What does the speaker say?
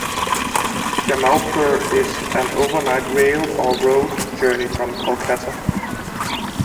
Jamalpur is an overnight rail or road journey from Kolkata.